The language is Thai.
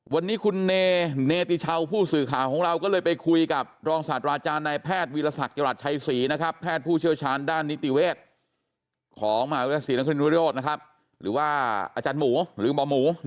วันนี้คุณเนเนติเชาผู้สื่อข่าวของเราก็เลยไปคุยกับรองศาสตราจารย์ในแพทย์วิลสัตว์เกราะชัยศรีนะครับ